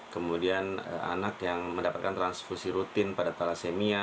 kemudian anak yang mendapatkan transfusi rutin pada thalassemia